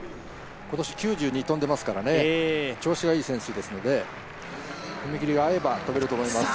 今年９２跳んでいて調子がいい選手ですので踏み切りが合えば跳べると思います。